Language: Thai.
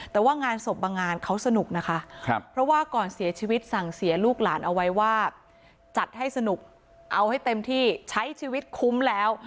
แต่ว่างานศพบางงานเขาสนุกนะคะเพราะว่าก่อนเสียชีวิตสั่งเสียลูกหลานเอาไว้ว่าจัดให้สนุกเอาให้เต็มที่ใช้ชีวิตคุ้มแล้ว